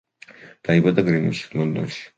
დაიბადა გრინვიჩში, ლონდონში.